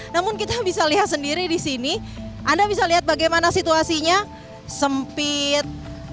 namun kita bisa lihat sendiri di sini anda bisa lihat bagaimana situasinya sempit